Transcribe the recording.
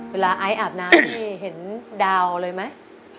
เวลาไอ้อาบน้ำเห็นดาวเลยไหม